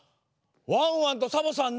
「ワンワンとサボさん